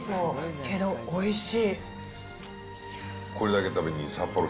けど、おいしい。